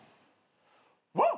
ワン！